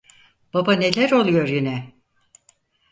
Baba, neler oluyor yine?